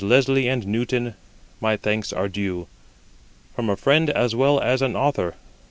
Leslie and Newton, my thanks are due, from a friend as well as an author.